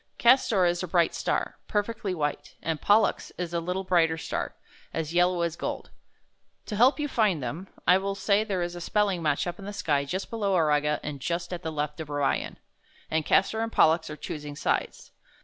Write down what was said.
''Castor is a bright star, perfectly white, and Pollux is a little brighter star, as yellow as gold. To help j^ou find them, I will say there is a spelling match up in the sky just below Auriga, and just at the left of Orion, and Castor and Pollux are choosing sides.